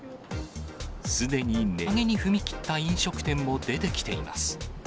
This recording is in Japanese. すでに値上げに踏み切った飲食店も出てきています。